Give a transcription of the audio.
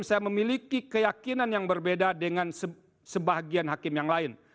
saya memiliki keyakinan yang berbeda dengan sebagian hakim yang lain